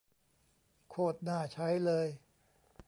โคตรน่าใช้เลย